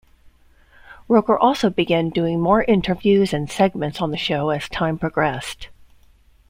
Roker also began doing more interviews and segments on the show as time progressed.